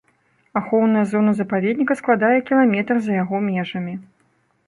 Ахоўная зона запаведніка складае кіламетр за яго межамі.